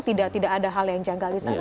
tidak ada hal yang janggal di sana